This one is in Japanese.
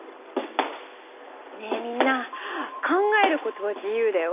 ねえみんな考えることは自由だよ！